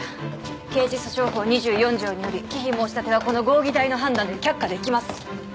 刑事訴訟法２４条により忌避申し立てはこの合議体の判断で却下できます。